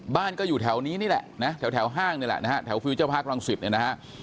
บ้านก็อยู่แถวนี้นี่แหละนะแถวห้างนี่แหละนะฮะแถวฟิลเจอร์พาร์ครังสิตเนี่ยนะฮะ